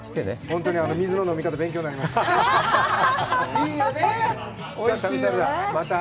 本当に水の飲み方勉強になりました。